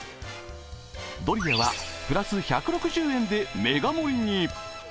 ドリアは、プラス１６０円でメガ盛りに。